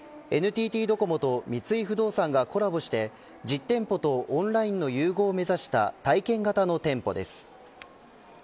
ＮＴＴドコモと三井不動産がコラボして実店舗とオンラインの融合を目指した体験型の店舗です。